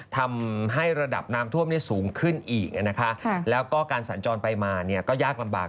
ทำให้ระดับน้ำท่วมสูงขึ้นอีกนะคะแล้วก็การสัญจรไปมาก็ยากลำบาก